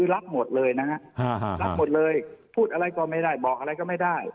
รับหมดเลยพูดอะไรก็ไม่ได้บอกอะไรก็ไม่ได้